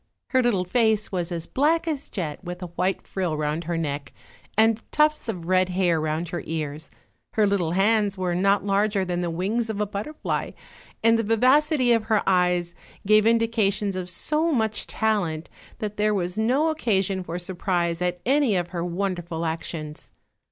Her little face was as black as jet with a white frill round her neck, and tufts of red hair round her ears; her little hands were not larger than the wings of a butterfly, and the vivacity of her eyes gave indications of so much talent that there was no oc casion for surprise at any of her wonderful actions.